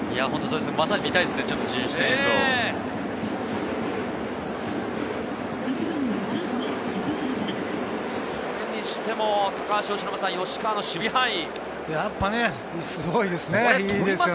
まさにみたいですね、それにしても吉川の守備範囲。